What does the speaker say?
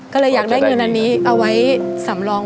ก็เลยอยากได้เงินอันนี้เอาไว้สำรอง